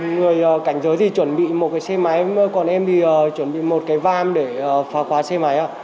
người cảnh giới thì chuẩn bị một cái xe máy còn em thì chuẩn bị một cái vam để phá khóa xe máy